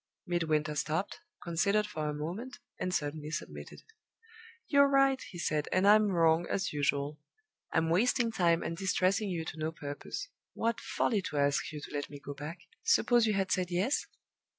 Midwinter stopped, considered for a moment, and suddenly submitted. "You're right," he said, "and I'm wrong, as usual. I'm wasting time and distressing you to no purpose. What folly to ask you to let me go back! Suppose you had said yes?"